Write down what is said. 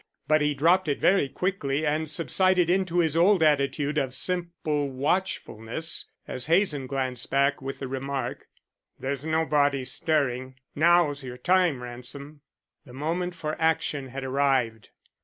But he dropped it very quickly and subsided into his old attitude of simple watchfulness, as Hazen glanced back with the remark: "There's nobody stirring; now's your time, Ransom." The moment for action had arrived.